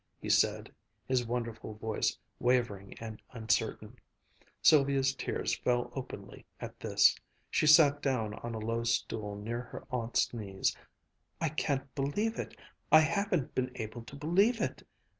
he said, his wonderful voice wavering and uncertain. Sylvia's tears fell openly at this. She sat down on a low stool near her aunt's knees. "I can't believe it I haven't been able to believe it!"